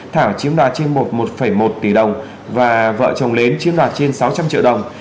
thảo chiếm đoạt trên một một tỷ đồng và vợ chồng lớn chiếm đoạt trên sáu trăm linh triệu đồng